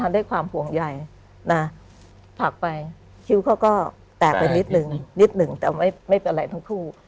ด้วยความห่วงใยนะผลักไปคิ้วเขาก็แตกไปนิดนึงนิดหนึ่งแต่ไม่เป็นไรทั้งคู่